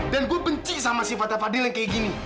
gue benci sama sifatnya fadil yang kayak gini